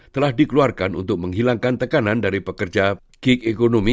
telah dikeluarkan untuk menghilangkan tekanan dari pekerja gig ekonomi